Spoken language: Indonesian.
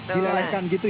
dilelehkan gitu ya